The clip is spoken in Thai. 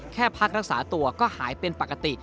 พักรักษาตัวก็หายเป็นปกติ